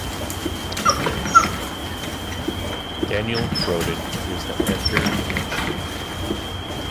Daniel Frodin is the editor-in-chief.